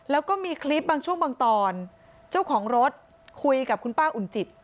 แล้วก็มีคลิปบางช่วงบางตอนเจ้าของรถคุยกับคุณป้าอุ่นจิต